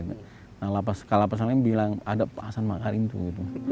kalapas lain bilang ada pak hasan makarim tuh